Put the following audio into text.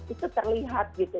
itu terlihat gitu